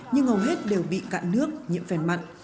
nhưng hầu hết đều bị cạn nước nhiễm phèn mặn